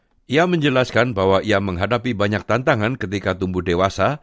dia menjelaskan bahwa ia menghadapi banyak tantangan ketika tumbuh dewasa